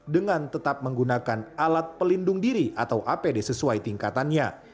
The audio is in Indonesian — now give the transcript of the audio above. dengan tetap menggunakan alat pelindung diri atau apd sesuai tingkatannya